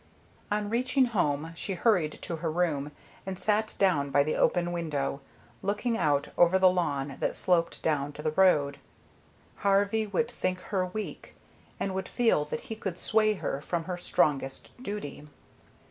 On reaching home she hurried to her room and sat down by the open window, looking out over the lawn that sloped down to the road. Harvey would think her weak, and would feel that he could sway her from her strongest duty.